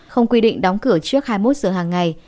không quy định đóng cửa trước hai mươi một giờ hàng ngày